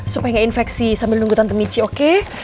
supaya nggak infeksi sambil nunggu tante michi oke